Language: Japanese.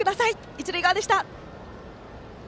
一塁側でした。